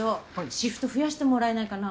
シフト増やしてもらえないかな？